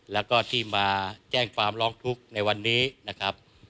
แล้วก็ที่มาแจ้งความร้องทุกข์ในวันนี้นะครับ